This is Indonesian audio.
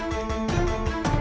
tidak ada tanah tanah